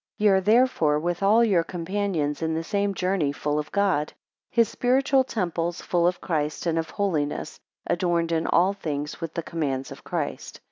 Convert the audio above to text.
12 Ye are therefore, with all your companions in the same journey full of God; his spiritual temples, full of Christ, and of holiness: adorned in all things with the commands of Christ.